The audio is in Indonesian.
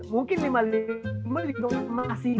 mungkin lima lima masih